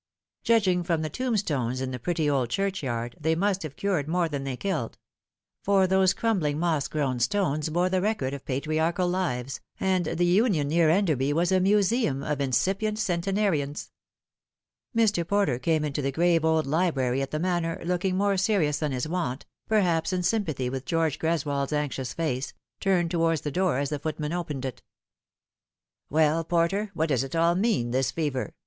Judging from the tombstones in the pretty old churchyard, they must have cured more than they killed ; for those crumbling moss grown stones bore the record of patri archal lives, and the union near Enderby was a museum of inci pient centenarians. Mr. Porter came into the grave old library at the Manor looking more serious than his wont, perhaps in sympathy with George Greswold's anxious face, turned towards the door as the footman opened it. "Well, Porter, what does it all mean, this fever?"